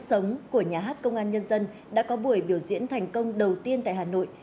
các nghệ sĩ của nhà hát công an nhân dân đã có buổi biểu diễn thành công đầu tiên tại hà nội